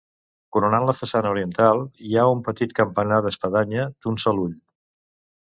Coronant la façana oriental hi ha un petit campanar d'espadanya d'un sol ull.